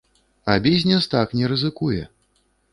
А бізнес так не рызыкуе.